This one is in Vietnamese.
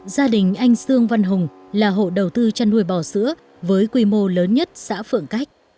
gia đình anh sương văn hùng là hộ đầu tư chăn nuôi bò sữa với quy mô lớn nhất xã phượng cách